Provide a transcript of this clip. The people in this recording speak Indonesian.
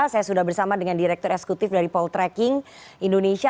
saya sudah bersama dengan direktur eksekutif dari poltreking indonesia